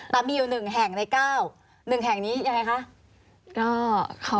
ตามมีอยู่หนึ่งแห่งในก้าวหนึ่งแห่งนี้ยังไงคะ